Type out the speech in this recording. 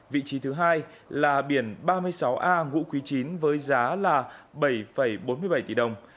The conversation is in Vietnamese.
vị trí thứ hai là biển ba mươi sáu a ngũ quý chín với giá là bảy bốn mươi bảy tỷ đồng